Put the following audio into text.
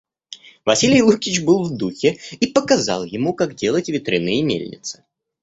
Василий Лукич был в духе и показал ему, как делать ветряные мельницы.